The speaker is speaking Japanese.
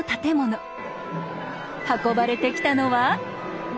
運ばれてきたのは。